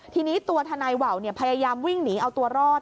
ทีนี้ตัวทนายว่าวพยายามวิ่งหนีเอาตัวรอด